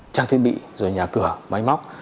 trang thiết bị rồi nhà cửa máy móc